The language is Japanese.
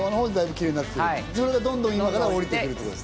それがどんどんこれから下りてくると。